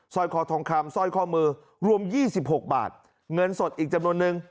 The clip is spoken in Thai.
ร้อยคอทองคำสร้อยข้อมือรวม๒๖บาทเงินสดอีกจำนวนนึง